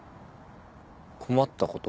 困ったこと？